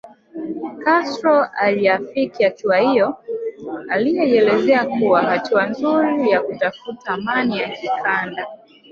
Castro aliafiki hatua hiyo aliyoielezea kuwa hatua nzuri ya kutafuta mani ya kikanda